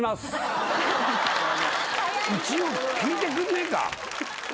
一応聞いてくんねえか？